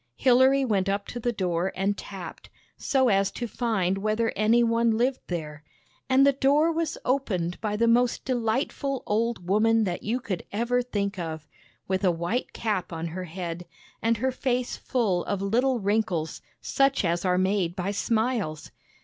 Hilary went up to the door, and tapped, so as to 120 THE BAG OF SMILES find whether any one lived there. And the door was opened by the most delightful old woman that you could ever think of, with a white cap on her head, and her face full of little wrinkles such as are made by smiles.